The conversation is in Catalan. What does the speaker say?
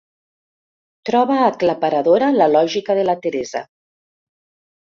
Troba aclaparadora la lògica de la Teresa.